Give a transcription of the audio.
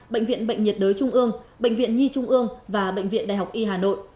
bệnh viện bệnh nhiệt đới trung ương bệnh viện nhi trung ương và bệnh viện đại học y hà nội